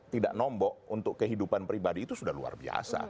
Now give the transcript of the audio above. tidak nombok untuk kehidupan pribadi itu sudah luar biasa